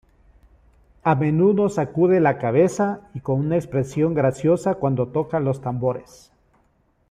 A menudo sacude la cabeza y con una expresión graciosa cuando toca los tambores.